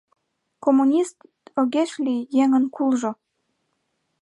Коммунист огеш лий еҥын кулжо!